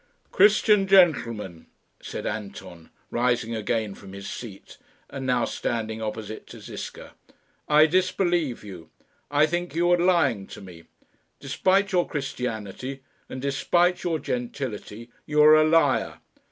"Christian gentleman," said Anton, rising again from his seat, and now standing opposite to Ziska, "I disbelieve you. I think that you are lying to me. Despite your Christianity, and despite your gentility you are a liar.